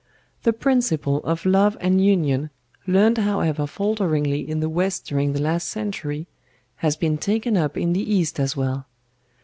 The principle of love and union learned however falteringly in the West during the last century, has been taken up in the East as well.